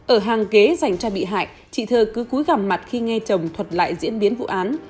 ở hàng ghế dành cho bị hại chị thơ cứ cúi gặm mặt khi nghe chồng thuật lại diễn biến vụ án